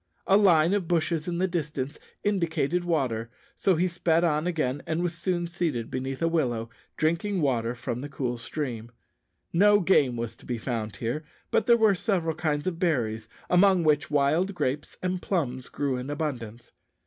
A line of bushes in the distance indicated water, so he sped on again, and was soon seated beneath a willow, drinking water from the cool stream. No game was to be found here, but there were several kinds of berries, among which wild grapes and plums grew in abundance.